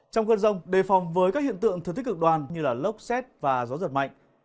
trong cơn rông đề phòng với các hiện tượng thường thích cực đoan như là lốc xét và gió giật mạnh